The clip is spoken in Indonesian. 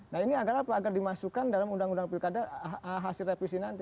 nah ini agar apa agar dimasukkan dalam undang undang pilkada hasil revisi nanti